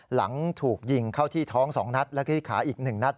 หลังถูกยิงเข้าที่ท้อง๒นัดแล้วก็ที่ขาอีก๑นัด